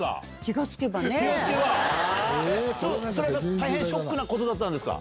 大変ショックだったんですか。